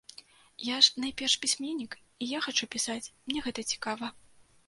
Я ж найперш пісьменнік і я хачу пісаць, мне гэта цікава.